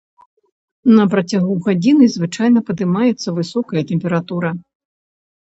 На працягу гадзіны звычайна падымаецца высокая тэмпература.